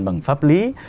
bằng pháp lý